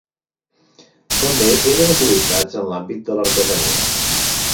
També eren utilitzats en l'àmbit de l'artesania.